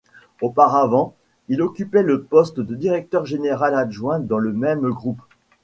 Auparavant, il occupait le poste de directeur général adjoint dans le même groupe.